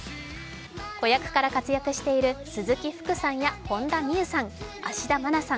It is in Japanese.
子役から活躍している鈴木福さんや本田望結さん、芦田愛菜さん